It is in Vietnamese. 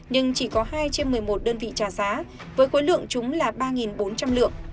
nhưng chỉ có hai trên một mươi một đơn vị trả giá với khối lượng chúng là ba bốn trăm linh lượng